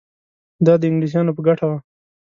دا د انګلیسیانو په ګټه وه.